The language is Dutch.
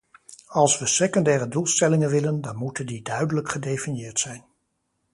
Als we secundaire doelstellingen willen, dan moeten die duidelijk gedefinieerd zijn.